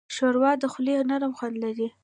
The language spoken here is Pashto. ښوروا د خولې نرم خوند لري.